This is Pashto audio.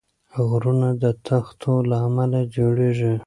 غرونه د تختو له امله جوړېږي.